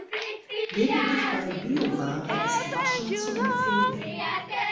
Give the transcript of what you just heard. Lediglich bei Bioware ist Waschen zu empfehlen.